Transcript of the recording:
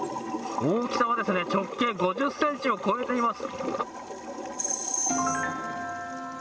大きさはですね、直径５０センチを超えています。